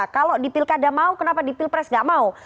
kalau di pilkada mau kenapa di pilpres nggak mau